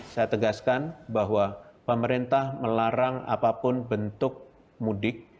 saya tegaskan bahwa pemerintah melarang apapun bentuk mudik